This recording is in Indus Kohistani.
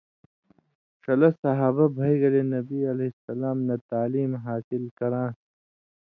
ݜلہ صحابہ بھئ گلے نبی علیہ السلام نہ تعلیم حاصل کران٘س